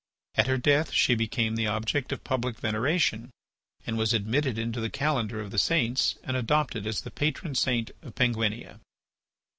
At her death she became the object of public veneration, and was admitted into the calendar of the saints and adopted as the patron saint of Penguinia.